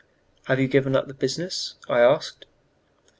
"Have you given up the business?" I asked.